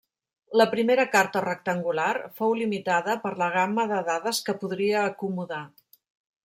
La primera carta rectangular fou limitada per la gamma de dades que podria acomodar.